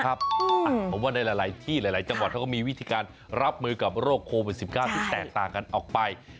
ผมว่าในหลายที่หลายจังหวัดเขาก็มีวิธีการรับมือกับโรคโควิด๑๙ที่แตกต่างกันออกไป